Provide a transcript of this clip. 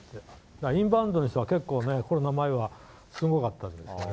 インバウンドの人はコロナ前はすごかったですね。